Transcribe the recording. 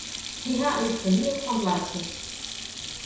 Wy hawwe ús fernield fan it laitsjen.